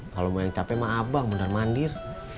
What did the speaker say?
kalau mau yang capek mah abang beneran mandir